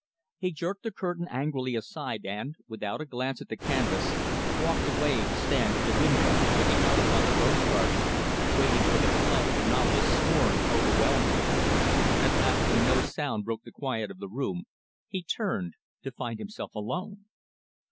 He jerked the curtain angrily aside, and without a glance at the canvas walked away to stand at the window looking out upon the rose garden waiting for the flood of the novelist's scorn to overwhelm him. At last, when no sound broke the quiet of the room, he turned to find himself alone.